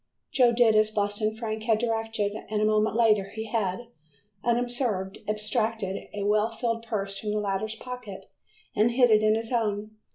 Joe did as Boston Frank had directed, and a moment later he had, unobserved, abstracted a well filled purse from the latter's pocket and hid it in his own.